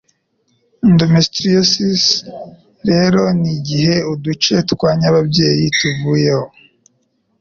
Endometriosis rero ni igihe uduce twa nyababyeyi tuvuyeho